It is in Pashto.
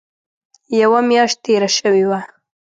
یوه میاشت تېره شوې وه.